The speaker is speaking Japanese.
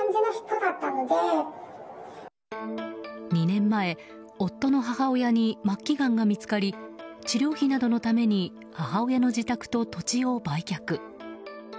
２年前夫の母親に末期がんが見つかり治療費などのために母親の自宅と土地を売却。